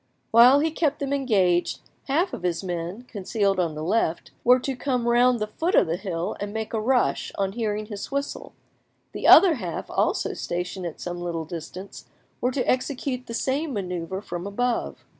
Whilst he kept them engaged, half of his men, concealed on the left, were to come round the foot of the hill and make a rush on hearing his whistle; the other half, also stationed at some, little distance, were to execute the same manoeuvre from above.